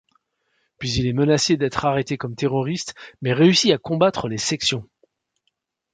Puis il est menacé d'être arrêté comme terroriste mais réussit à combattre les sections.